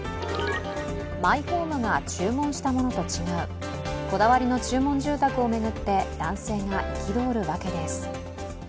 マイホームが注文したものと違うこだわりの注文住宅を巡って男性が憤るわけです。